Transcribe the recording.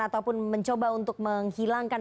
ataupun mencoba untuk menghilangkan